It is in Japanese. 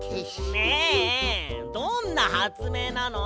どんなはつめいなの？